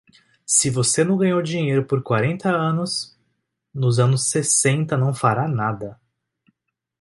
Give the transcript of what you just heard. Se você não ganhou dinheiro por quarenta anos, nos anos sessenta não fará nada.